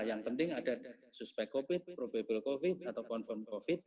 yang penting ada suspek covid sembilan belas probable covid sembilan belas atau konflik covid sembilan belas